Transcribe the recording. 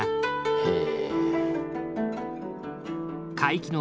へえ。